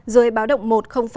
dưới báo động một một mươi ba m